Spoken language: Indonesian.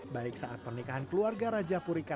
baik saat pernikahan pernikahan pernikahan pernikahan pernikahan